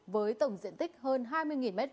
với tổng diện tích hơn hai mươi m hai